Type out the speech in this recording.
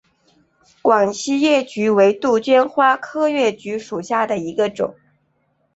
广西越桔为杜鹃花科越桔属下的一个种。